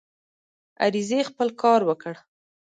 عریضې خپل کار وکړ.